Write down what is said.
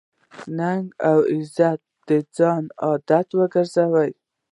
ننګ او غیرت د ځان عادت وګرځوه.